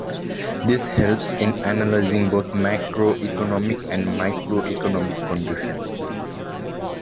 This helps in analyzing both macroeconomic and microeconomic conditions.